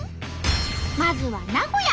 まずは名古屋。